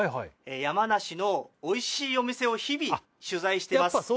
山梨のおいしいお店を日々取材しています